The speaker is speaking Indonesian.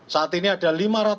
saat ini ada lima ratus lima puluh